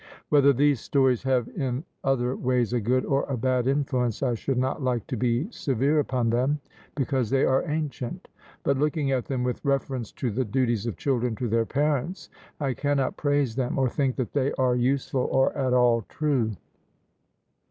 Whether these stories have in other ways a good or a bad influence, I should not like to be severe upon them, because they are ancient; but, looking at them with reference to the duties of children to their parents, I cannot praise them, or think that they are useful, or at all true.